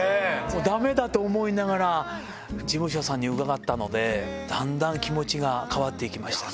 だめだと思いながら、事務所さんに伺ったので、だんだん気持ちが変わっていきましたね。